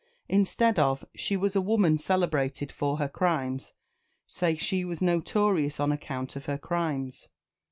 Instead of "She was a woman celebrated for her crimes," say "She was notorious on account of her crimes."